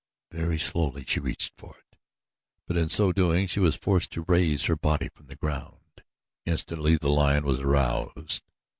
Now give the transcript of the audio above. Very slowly she reached for it; but in so doing she was forced to raise her body from the ground. Instantly the lion was aroused.